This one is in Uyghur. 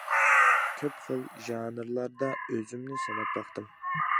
كۆپ خىل ژانىرلاردا ئۆزۈمنى سىناپ باقتىم.